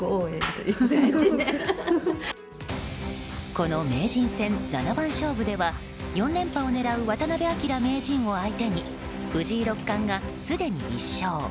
この名人戦七番勝負では４連覇を狙う渡辺明名人を相手に藤井六冠がすでに１勝。